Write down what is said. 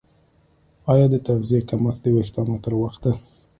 ایا د تغذیې کمښت د ویښتانو تر وخته